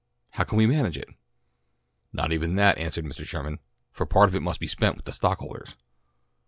How can we manage it?" "Not even that," answered Mr. Sherman, "for part of it must be spent with the stock holders."